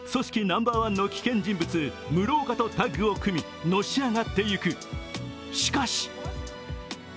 ナンバーワンの危険人物、室岡とタッグを組み、のし上がっていく。